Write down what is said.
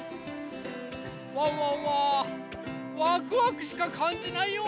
ワンワンはワクワクしかかんじないよ！